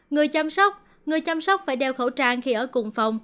người chăm sóc người chăm sóc phải đeo khẩu trang khi ở cùng phòng